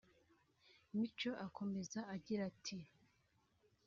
Mico akomeza agira ati